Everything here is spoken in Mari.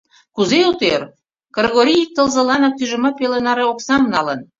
Кузе от ӧр, Кргорий ик тылзыланак тӱжемат пеле наре оксам палын.